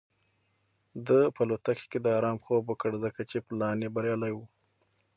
ده په الوتکه کې د ارام خوب وکړ ځکه چې پلان یې بریالی و.